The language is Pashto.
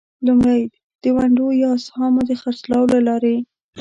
لومړی: د ونډو یا اسهامو د خرڅلاو له لارې.